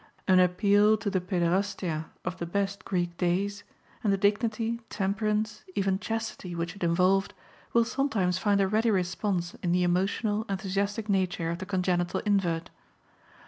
An appeal to the paiderastia of the best Greek days, and the dignity, temperance, even chastity, which it involved, will sometimes find a ready response in the emotional, enthusiastic nature of the congenital invert.